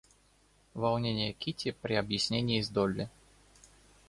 Волнение Кити при объяснении с Долли.